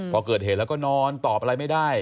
พอเกิดเหตุแล้วก็นอนตอบอะไรไม่ได้